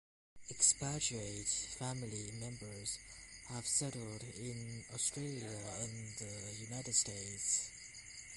Expatriate family members have settled in Australia and the United States.